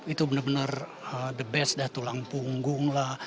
itu bener bener the best dah tulang punggung lah